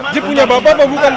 jip punya bapak atau bukan pak